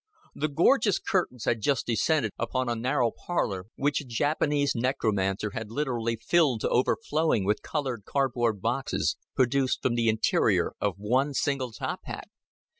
The gorgeous curtains had just descended upon a narrow parlor, which a Japanese necromancer had literally filled to overflowing with colored cardboard boxes produced from the interior of one single top hat.